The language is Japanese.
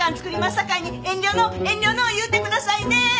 さかいに遠慮のう遠慮のう言うてくださいね。